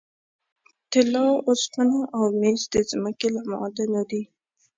طلا، اوسپنه او مس د ځمکې له معادنو دي.